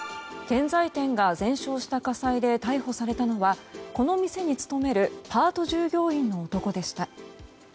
建材店が全焼した火災で逮捕されたのはこの店に勤めるパート従業員の男でした。